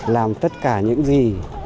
làm tất cả những gì